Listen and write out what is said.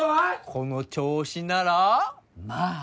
この調子ならまあ？